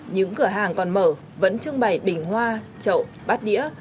những cửa hàng còn mở vẫn trưng bày bình hoa trậu bát đĩa